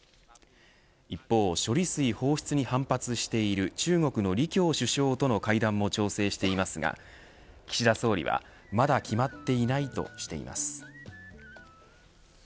一方、処理水放出に反発している中国の李強首相との会談も調整していますが岸田総理はまだ決まっていないとしています。